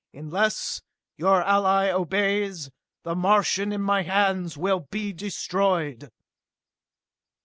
Unless your ally obeys, the Martians in my hands will be destroyed!"